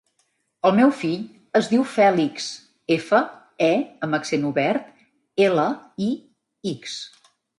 El meu fill es diu Fèlix: efa, e amb accent obert, ela, i, ics.